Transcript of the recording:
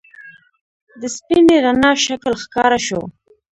د سپینې رڼا شکل ښکاره شو.